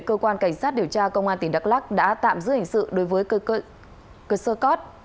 cơ quan cảnh sát điều tra công an tỉnh đắk lắc đã tạm giữ hình sự đối với cơ sơ cót